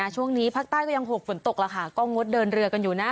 ช่วงนี้ภาคใต้ก็ยังหกฝนตกแล้วค่ะก็งดเดินเรือกันอยู่นะ